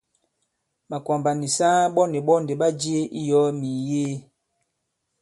Màkwàmbà nì saa ɓɔ nì ɓɔ ndì ɓa jie i yɔ̀ɔ mì mìyee.